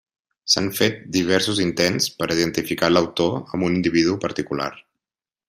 S'han fet diversos intents per a identificar l'autor amb un individu particular.